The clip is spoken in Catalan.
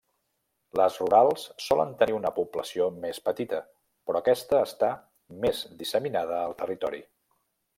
Les rurals solen tenir una població més petita, però aquesta està més disseminada al territori.